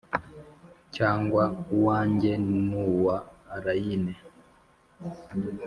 cyangwa uwanjye, nuwa allayne